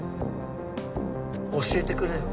教えてくれよ。